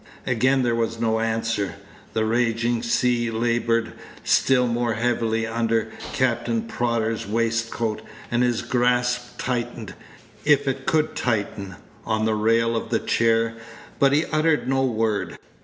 Again there was no answer. The raging sea labored still more heavily under Captain Prodder's waistcoat, and his grasp tightened, if it could tighten, on the rail of the chair; but he uttered no word.